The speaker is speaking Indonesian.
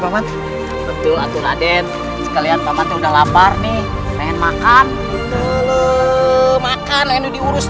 paman betul atur aden sekalian paman udah lapar nih pengen makan makannya diurusin